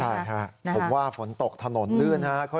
ใช่ค่ะผมว่าฝนตกถนนเลื่อนค่ะ